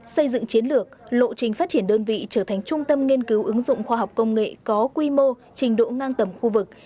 xây dựng chiến lược lộ trình phát triển đơn vị trở thành trung tâm nghiên cứu ứng dụng khoa học công nghệ có quy mô trình độ ngang tầm khu vực